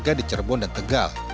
untuk warga di cerbon dan tegal